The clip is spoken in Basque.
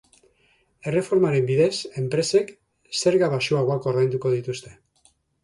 Erreformaren bidez, enpresek zerga baxuagoak ordainduko dituzte.